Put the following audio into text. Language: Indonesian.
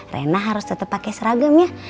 rena harus tetep pake seragamnya